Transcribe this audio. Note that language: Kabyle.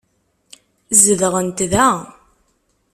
Zedɣent da.